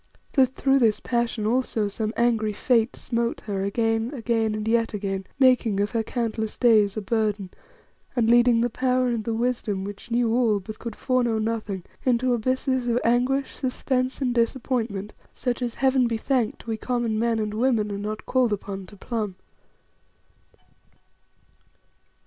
That through this passion also some angry fate smote her again, again, and yet again, making of her countless days a burden, and leading the power and the wisdom which knew all but could foreknow nothing, into abysses of anguish, suspense, and disappointment such as Heaven be thanked! we common men and women are not called upon to plumb.